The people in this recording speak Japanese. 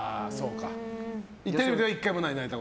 テレビでは１回もない？